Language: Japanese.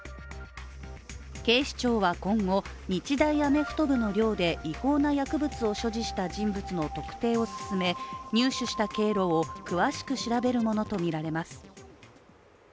警視庁は今後、日大アメフト部の寮で違法な薬物を所持した人物の特定を進め入手した経路を詳しく調べるものとみられます。